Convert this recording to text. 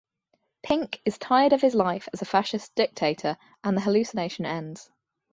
Pink is tired of his life as a fascist dictator and the hallucination ends.